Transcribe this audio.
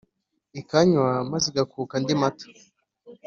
ikanywa maze ígakuka andi mata